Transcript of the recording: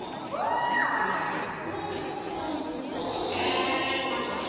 うみせて！